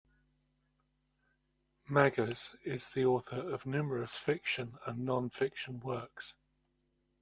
Magrs is the author of numerous fiction and non-fiction works.